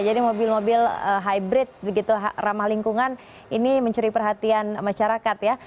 jadi mobil mobil hybrid begitu ramah lingkungan ini mencuri perhatian masyarakat ya